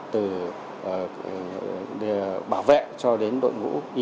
từ bảo vệ cho đến bộ nhân viên